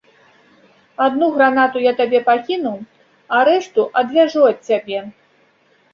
Адну гранату я табе пакіну, а рэшту адвяжу ад цябе.